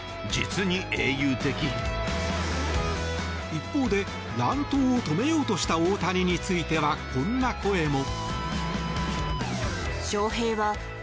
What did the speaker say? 一方で乱闘を止めようとした大谷については、こんな声も。